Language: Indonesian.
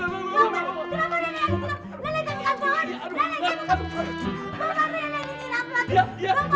bang farben nenek ini tidak berhati hati